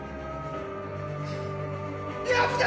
やった！